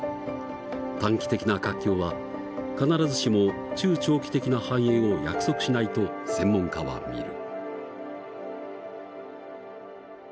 短期的な活況は必ずしも中長期的な繁栄を約束しないと専門家は見る。